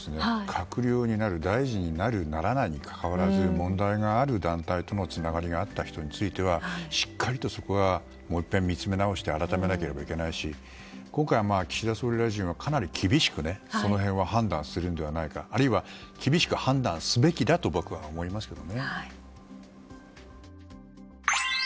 閣僚になる大臣になるならないにかかわらず問題のあった団体とつながりがあった人についてはきっちりとそこは、もう１回見つめ直して改めなければならないし今回、岸田総理はその辺は厳しく判断するのではないかあるいは厳しく判断すべきだと僕は思いますけどね。